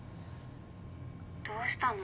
☎どうしたの？